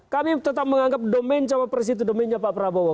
kami tetap menganggap domen jawab pres itu domennya pak prabowo